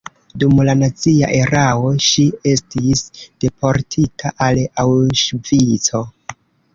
Dum la nazia erao ŝi estis deportita al Aŭŝvico.